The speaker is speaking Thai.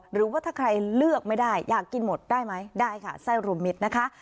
หรือว่าถ้าใครเลือกไม่ได้อยากกินหมดได้ไหมได้ค่ะไส้รวมมิตรนะคะ